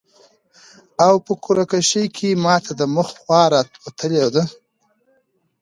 او په قرعه کشي کي ماته د مخ خوا راوتلي ده